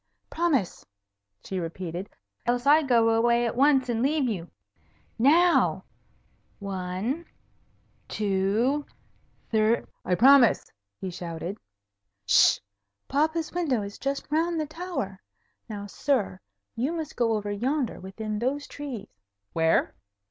"Promise!" she repeated, "else I go away at once, and leave you. Now! One two thrrr " "I promise!" he shouted. "'Sh! Papa's window is just round the tower. Now, sir, you must go over yonder within those trees." "Where?"